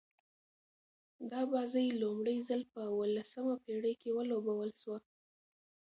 دا بازي لومړی ځل په اوولسمه پېړۍ کښي ولوبول سوه.